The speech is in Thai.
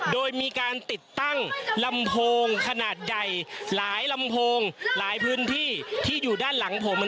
โดยมีการติดตั้งลำโพงขนาดใหญ่หลายลำโพงหลายพื้นที่ที่อยู่ด้านหลังผม